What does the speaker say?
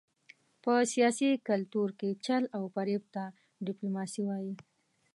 په سیاسي کلتور کې چل او فرېب ته ډیپلوماسي وايي.